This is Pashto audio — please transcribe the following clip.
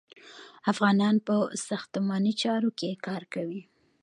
افغانان په ساختماني چارو کې کار کوي.